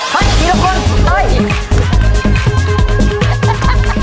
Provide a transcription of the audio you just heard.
เฮ้ยรีบน้องต้อย